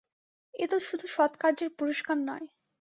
এ তো শুধু সৎকার্যের পুরস্কার নয়।